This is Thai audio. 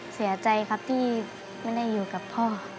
เสียใจครับที่ไม่ได้อยู่กับพ่อ